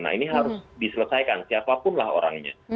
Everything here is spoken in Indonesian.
nah ini harus diselesaikan siapapun lah orangnya